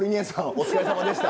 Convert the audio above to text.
お疲れさまでした。